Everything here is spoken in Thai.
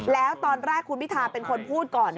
แล้วตอนแรกคุณพิทาเป็นคนพูดก่อน